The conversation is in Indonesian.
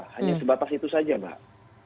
hanya sebatas itu saja mbak